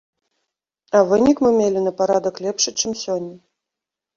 А вынік мы мелі на парадак лепшы, чым сёння.